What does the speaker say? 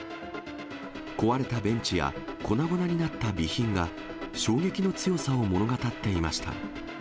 壊れたベンチや粉々になった備品が、衝撃の強さを物語っていました。